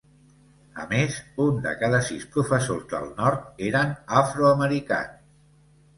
A més, un de cada sis professors del nord eren afroamericans.